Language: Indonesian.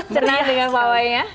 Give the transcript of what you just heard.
ceren dengan pawainya